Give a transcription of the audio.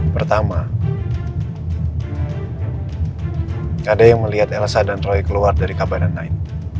pertama ada yang melihat elsa dan roy keluar dari kabar yang lain